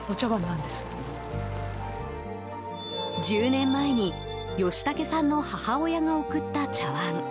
１０年前に吉竹さんの母親が贈った茶碗。